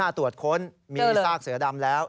วันที่๕ตรวจค้นมีสร้างเสือดำแล้ว